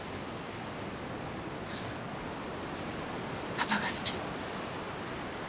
パパが好き？